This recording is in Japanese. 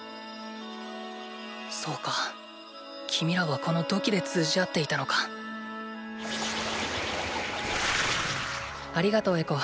そうか君らはこの土器で通じ合っていたのかありがとうエコ。